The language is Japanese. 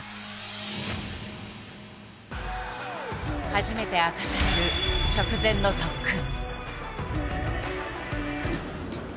初めて明かされる直前の特訓。